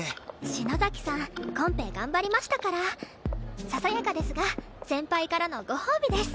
篠崎さんコンペ頑張りましたからささやかですが先輩からのご褒美です。